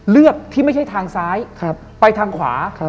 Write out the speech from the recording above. เลือกที่ไม่ใช่ทางซ้ายไปทางขวา